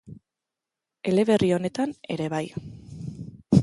Eleberri honetan ere bai.